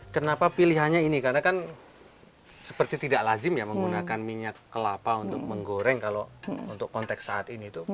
kenapa pilihannya ini karena kan seperti tidak lazim ya menggunakan minyak kelapa untuk menggoreng kalau untuk konteks saat ini tuh